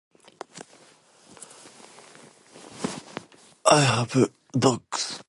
I have a [unclear|box/books?].